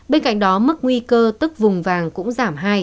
bên cạnh đó mức nguy cơ tức vùng vàng cũng giảm hai